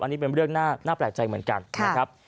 อันนี้เป็นเรื่องน่าแปลกใจเหมือนกันนะครับ